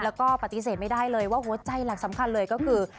แล้วก็ปฏิเสธไม่ได้เลยว่าหัวใจหลักสำคัญเลยก็คือ